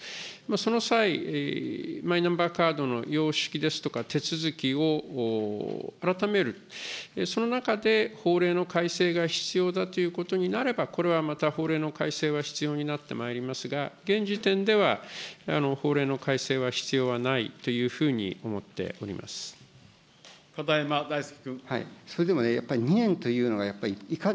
その際、マイナンバーカードのようしきですとか、手続きを改める、その中で法令の改正が必要だということになれば、これはまた法令の改正は必要になってまいりますが、現時点では、法令の改正は必要はないというふうに思っております。